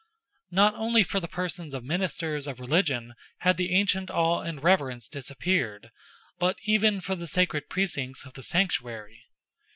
Not only for the persons of ministers of religion had the ancient awe and reverence disappeared, but even for the sacred precincts of the Sanctuary.